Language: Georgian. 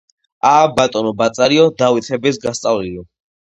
ა, ბატონო ბაწარიო, დავით მეფეს გასწავლიო